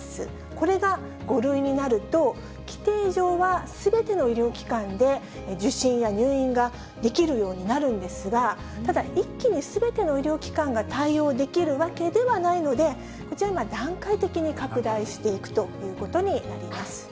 これが５類になると、規定上はすべての医療機関で、受診や入院ができるようになるんですが、ただ一気にすべての医療機関が対応できるわけではないので、こちら、今、段階的に拡大していくということになります。